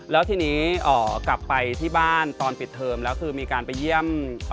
แล้วทีนี้กลับไปที่บ้านตอนปิดเทอมแล้วคือมีการไปเยี่ยม